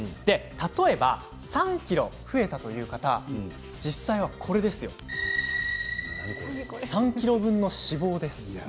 例えば３ｋｇ増えたというと実際はこれですよ、３ｋｇ分の脂肪です。